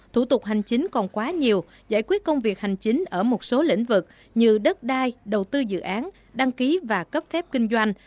thủ tục hành chính còn quá nhiều giải quyết công việc hành chính ở một số lĩnh vực như đất đai đầu tư dự án đăng ký và cấp phép kinh doanh